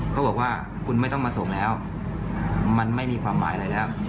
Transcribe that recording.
เขาบอกว่าคุณไม่ต้องมาส่งแล้วมันไม่มีความหมายอะไรแล้ว